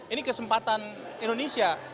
ini kesempatan indonesia